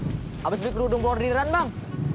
habis beli kerudung ke lordiran bang